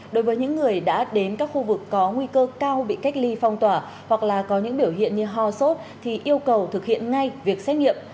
đối với những người đã đến các khu vực có nguy cơ cao bị cách ly phong tỏa hoặc là có những biểu hiện như ho sốt thì yêu cầu thực hiện ngay việc xét nghiệm